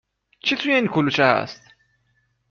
چی توی این کلوچه هست؟